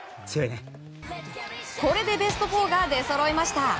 これでベスト４が出そろいました。